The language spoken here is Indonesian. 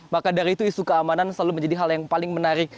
maka dari itu isu keamanan selalu menjadi hal yang paling menarik